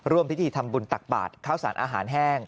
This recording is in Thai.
ร่วมพิธีธรรมบุญตักบาตรเข้าสารอาหารแห้ง